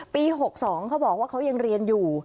ปี๖๒เขาบอกว่าเขายังเรียนอยู่